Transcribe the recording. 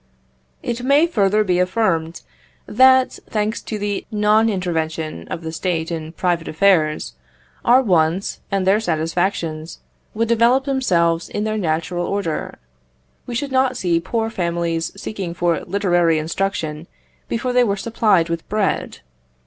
It may further be affirmed, that, thanks to the non intervention of the State in private affairs, our wants and their satisfactions would develop themselves in their natural order. We should not see poor families seeking for literary instruction before they were supplied with bread.